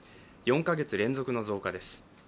４か月連続の増加です。